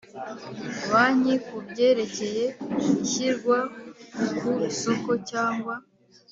Banki ku byerekeye ishyirwa ku isoko cyangwa